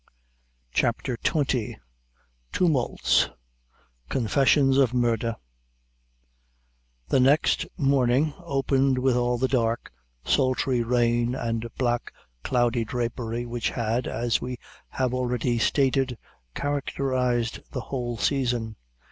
CHAPTER XX. Tumults Confessions of Murder. The next morning opened with all the dark sultry rain and black cloudy drapery, which had, as we have already stated, characterized the whole season.